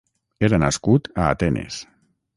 Era nascut a Atenes.